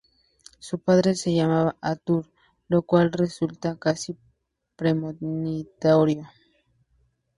Su padre se llamaba Arthur, lo cual resulta casi premonitorio.